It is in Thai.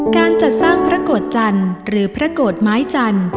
การจัดสร้างพระโกฎจรรย์หรือพระโกฎไม้จรรย์